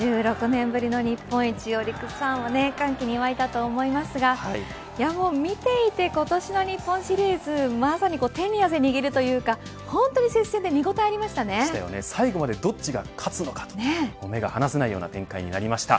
２６年ぶりの日本一オリックスファンは歓喜に沸いたと思いますが見ていて今年の日本シリーズまさに手に汗握るというか本当に接戦で最後までどっちが勝つのか目が離せない展開になりました。